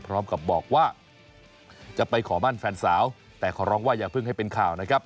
พร้อมกับบอกว่าจะไปขอมั่นแฟนสาวแต่ขอร้องว่าอย่าเพิ่งให้เป็นข่าวนะครับ